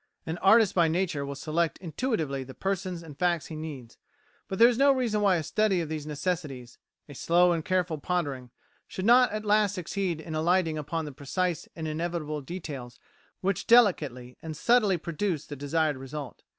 An artist by nature will select intuitively the persons and facts he needs; but there is no reason why a study of these necessities, a slow and careful pondering, should not at last succeed in alighting upon the precise and inevitable details which delicately and subtly produce the desired result.